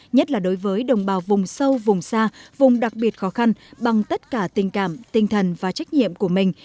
nhất là đối với đồng bào vùng sâu vùng xa vùng đặc biệt khó khăn bằng tất cả tình cảm tinh thần và trách nhiệm của mình